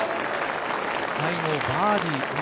最後バーディー。